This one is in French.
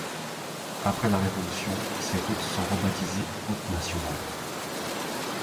Après la Révolution, ces routes sont rebaptisées routes nationales.